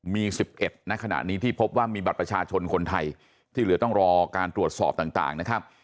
มี๑๑ณขณะนี้ที่พบว่ามีบัตรประชาชนคนไทยที่เหลือต้องรอการตรวจสอบต่างนะครับ